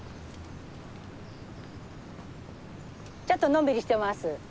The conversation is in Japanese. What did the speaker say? ちょっとのんびりしてます。